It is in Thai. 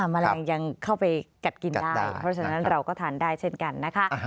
แมลงยังเข้าไปกัดกินได้เพราะฉะนั้นเราก็ทานได้เช่นกันนะคะ